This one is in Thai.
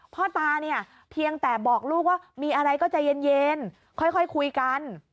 พ่อตาเนี่ยเพียงแต่บอกลูกว่ามีอะไรก็ใจเย็นค่อยคุยกัน